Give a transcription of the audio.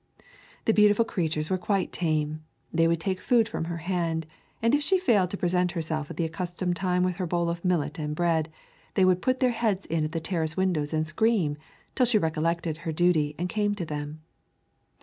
The beautiful creatures were quite tame. They would take food from her hand, and if she failed to present herself at the accustomed time with her bowl of millet and bread, they would put their heads in at the terrace windows and scream, till she recollected her duty and came to them.